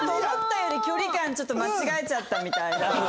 思ったより距離感ちょっと間違えちゃったみたいな。